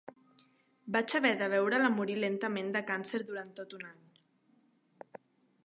Vaig haver de veure-la morir lentament de càncer durant tot un any.